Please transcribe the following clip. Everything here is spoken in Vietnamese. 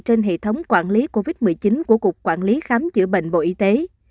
trên hệ thống quản lý covid một mươi chín của cục quản lý khám chữa bệnh bộ y tế